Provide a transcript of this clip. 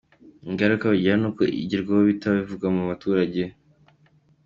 Ingaruka bigira nuko ibigerwaho biba bitavuye mu baturage.